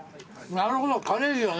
なるほどカレー塩ね。